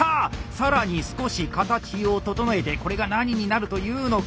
更に少し形を整えてこれが何になるというのか？